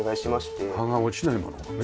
葉が落ちないものをね。